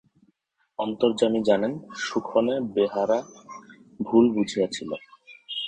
অন্তর্যামী জানেন, সুখনে বেহারা ভুল বুঝিয়াছিল।